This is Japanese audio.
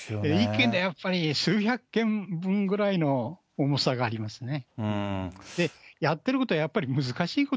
１件で数百件分ぐらいの重さがありますね。